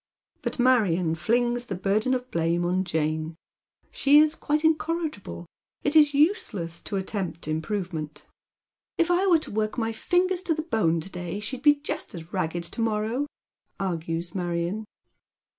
But Marion flings the burden of blame on Jane. She is quite incorrigible. Jt is useless vo attempt itnprovement. A Dangerous Triumph. 181 '* ti I were to work my fingers to the bono to clay, elie'd be jnst as ragged to moiTOw," argues Marion.